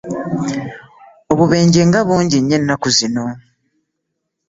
Obubenje nga bungi nnyo ennaku zino.